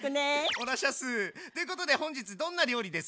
オナシャス！ということで本日どんな料理です？